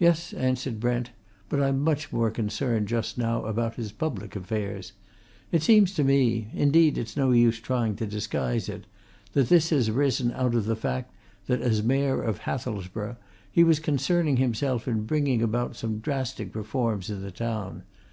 "Yes," answered Brent. "But I'm much more concerned, just now, about his public affairs. It seems to me indeed, it's no use trying to disguise it that this has arisen out of the fact that as Mayor of Hathelsborough he was concerning himself in bringing about some drastic reforms in the town.